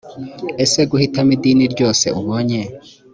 ese guhitamo idini ryose ubonye